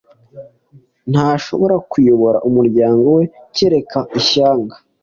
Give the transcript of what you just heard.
Ntashobora kuyobora umuryango we, kereka ishyanga!